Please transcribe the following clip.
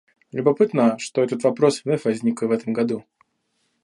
Любопытно, что этот вопрос вновь возник и в этом году.